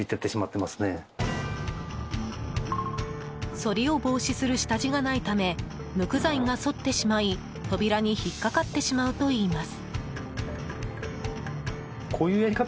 反りを防止する下地がないため無垢材が反ってしまい扉に引っかかってしまうといいます。